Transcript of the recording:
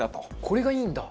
これがいいんだ。